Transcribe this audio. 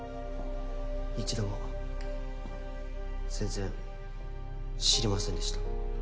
一度も全然知りませんでした。